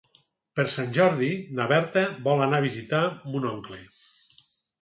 Per Sant Jordi na Berta vol anar a visitar mon oncle.